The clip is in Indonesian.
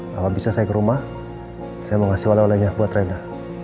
kalau bisa saya ke rumah saya mau ngasih oleh olehnya buat reda